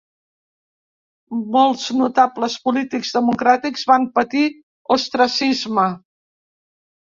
Molts notables polítics democràtics van patir ostracisme.